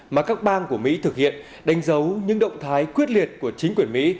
mà các bang của mỹ thực hiện đánh dấu những động thái quyết liệt của chính quyền mỹ